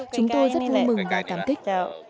chúng tôi rất vui mừng và cảm kích